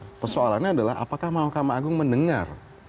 soalnya soalannya adalah apakah mahkamah agung mendengar